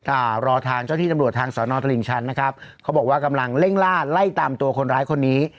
อ่ารอทางเจ้าที่ตำรวจทางสอนอตลิ่งชันนะครับเขาบอกว่ากำลังเร่งล่าไล่ตามตัวคนร้ายคนนี้